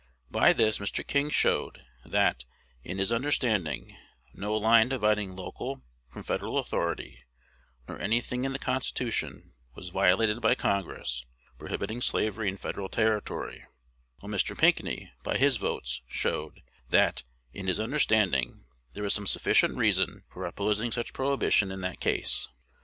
By this Mr. King showed, that, in his understanding, no line dividing local from Federal authority, nor any thing in the Constitution, was violated by Congress prohibiting slavery in Federal territory; while Mr. Pinckney, by his votes, showed, that, in his understanding, there was some sufficient reason for opposing such prohibition in that case.